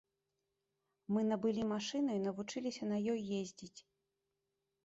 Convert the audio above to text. Мы набылі машыну і навучыліся на ёй ездзіць.